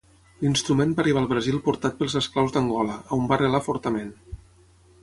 L'instrument va arribar al Brasil portat pels esclaus d'Angola, on va arrelar fortament.